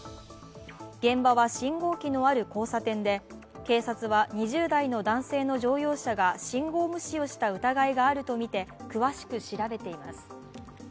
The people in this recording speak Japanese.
現場は信号機のある交差点で警察は２０代の男性の乗用車が信号無視をした疑いがあるとみて詳しく調べています。